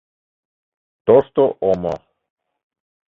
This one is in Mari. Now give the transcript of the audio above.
ТОШТО ОМО